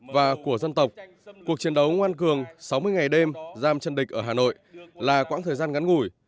và của dân tộc cuộc chiến đấu ngoan cường sáu mươi ngày đêm giam chân địch ở hà nội là quãng thời gian ngắn ngủi